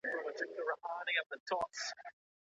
که ئې عمر تر دوولس کلنۍ واوښت، نو طلاق ئې واقع کيږي.